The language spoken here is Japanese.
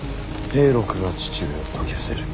平六が父上を説き伏せる。